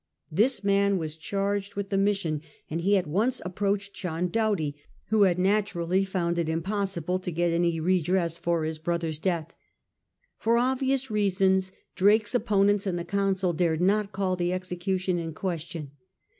This man was charged with 96 SIR FRAN'CIS DRAKE chap. the mission, and he at once approached John Doughty, who had naturally found it impossible to get any redress for his brother's death. For obvious reasons Drake's opponents in the Council dared not call the execution in question.